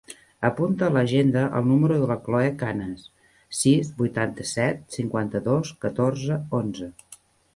Apunta a l'agenda el número de la Cloè Canas: sis, vuitanta-set, cinquanta-dos, catorze, onze.